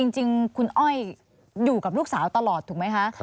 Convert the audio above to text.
จริงคุณอ้อยอยู่กับลูกสาวตลอดถูกไหมคะ